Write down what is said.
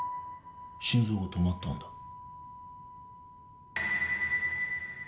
心臓が止まったんだ。